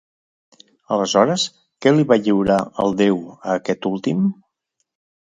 Aleshores, què li va lliurar el déu a aquest últim?